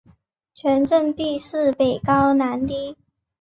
全镇地势北高南低。